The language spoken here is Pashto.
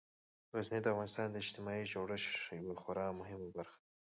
غزني د افغانستان د اجتماعي جوړښت یوه خورا مهمه برخه ده.